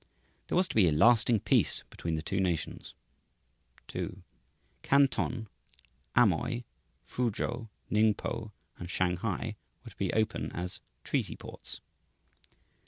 There was to be a "lasting peace" between the two nations. 2. Canton, Amoy, Foochou, Ningpo, and Shanghai were to be open as "treaty ports."